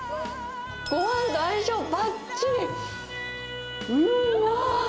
ごはんと相性ばっちり。